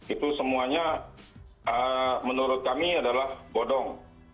itu semuanya menurut kami adalah bodong